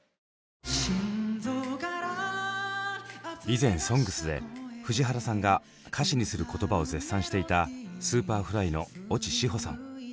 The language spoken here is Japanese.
以前「ＳＯＮＧＳ」で藤原さんが歌詞にする言葉を絶賛していたＳｕｐｅｒｆｌｙの越智志帆さん。